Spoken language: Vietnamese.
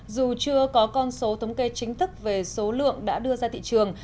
dù chưa có con số thống kê chính thức về số lượng đã đưa ra thị trường